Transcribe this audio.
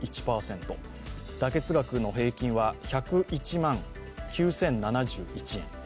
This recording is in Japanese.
妥結額の平均は１０１万９０７１円。